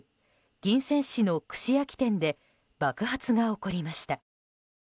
銀川市の串焼き店で爆発が起こりました。